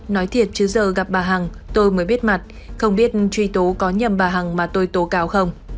nói thiệt chứ giờ gặp bà hằng tôi mới biết mặt không biết truy tố có nhầm bà hằng mà tôi tố cáo không